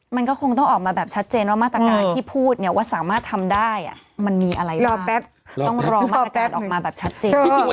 มาตรกาศที่พูดว่าสามารถทำได้มันมีอะไรบ้าง